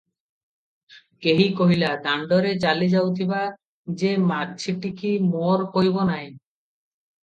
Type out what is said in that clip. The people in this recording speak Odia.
କେହି କହିଲା – ଦାଣ୍ଡରେ ଚାଲି ଯାଉଥିବ ଯେ ମାଛିଟିକି ମର କହିବ ନାହିଁ।